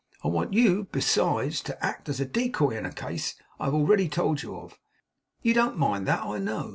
I want you, besides, to act as a decoy in a case I have already told you of. You don't mind that, I know.